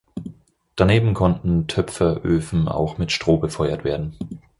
Daneben konnten Töpferöfen auch mit Stroh befeuert werden.